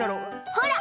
ほら！